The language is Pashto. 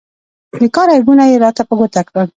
د کار عیبونه یې را په ګوته کړل.